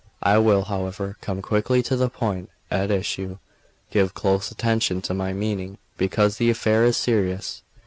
I will, however, come quickly to the point at issue; give close attention to my meaning, because the affair is serious."